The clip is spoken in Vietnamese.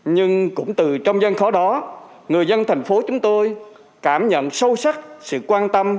nhưng cũng từ trong gian khó đó người dân thành phố chúng tôi cảm nhận sâu sắc sự quan tâm